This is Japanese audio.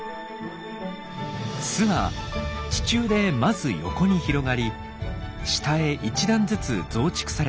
巣は地中でまず横に広がり下へ１段ずつ増築されていきます。